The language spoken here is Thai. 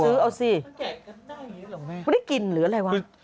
มันไม่ได้กินหรืออะไรหวะ